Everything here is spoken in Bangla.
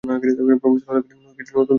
প্রফেসর হলের কাছে কিছু নতুন তথ্য আছে!